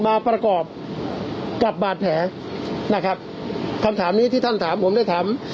มาประกอบกับบาดแผลนะครับคำถามนี้ที่ท่านถามผมได้ถาม